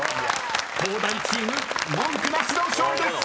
［東大チーム文句なしの勝利です！］